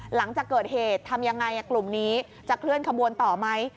หลังจากเกิดเหตุทำยังไงกลุ่มนี้จะเคลื่อนขบวนต่อไหม